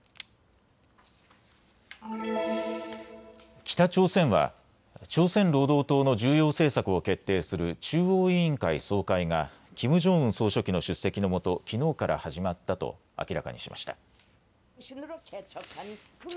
北朝鮮は朝鮮労働党の重要政策を決定する中央委員会総会がキム・ジョンウン総書記の出席のもときのうから始まったと明らかにしました。